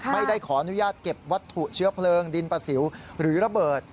ไม่ได้ขออนุญาตเก็บวัตถุเชื้อเพลิงดินประสิวหรือระเบิด